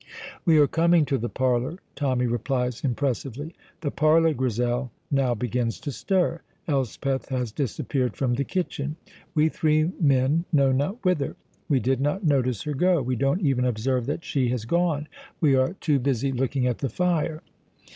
"We are coming to the parlour," Tommy replies impressively. "The parlour, Grizel, now begins to stir. Elspeth has disappeared from the kitchen, we three men know not whither. We did not notice her go; we don't even observe that she has gone we are too busy looking at the fire.